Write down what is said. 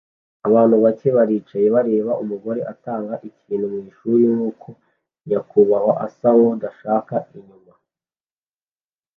Abantu bake baricaye bareba umugore atanga ikintu mwishuri nkuko nyakubahwa asa nkudashaka inyuma